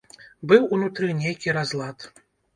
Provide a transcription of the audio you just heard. Быў унутры нейкі разлад.